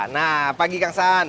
nah pagi kang saan